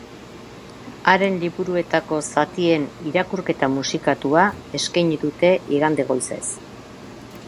Haren liburuetako zatien irakurketa musikatua eskaini dute igande goizez.